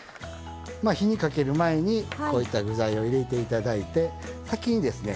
まあ火にかける前にこういった具材を入れて頂いて先にですね